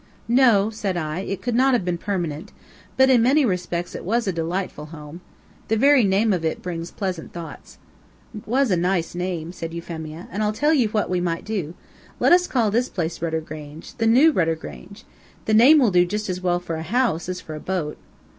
"No," said I, "it could not have been permanent. But, in many respects, it was a delightful home. The very name of it brings pleasant thoughts." "It was a nice name," said Euphemia, "and I'll tell you what we might do: Let us call this place Rudder Grange the New Rudder Grange! The name will do just as well for a house as for a boat."